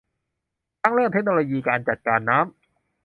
ทั้งเรื่องเทคโนโลยีการจัดการน้ำ